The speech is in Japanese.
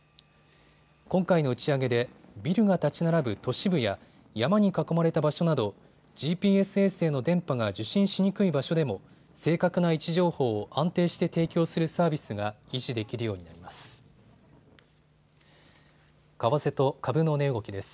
今回の打ち上げでビルが建ち並ぶ都市部や山に囲まれた場所などＧＰＳ衛星の電波が受信しにくい場所でも正確な位置情報を安定して提供するサービスが維持できるようになります。